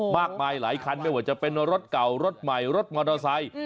มากมายหลายคันไม่ว่าจะเป็นรถเก่ารถใหม่รถมอเตอร์ไซค์